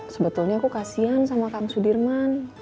sebetulnya aku kasian sama kang sudirman